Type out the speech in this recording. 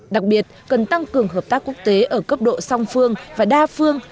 đặc biệt cần tăng cường hợp tác quốc tế ở cấp độ song phương và đa phương